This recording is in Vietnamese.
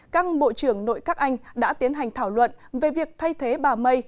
các bộ trưởng nội các anh đã tiến hành thảo luận về việc thay thế bà may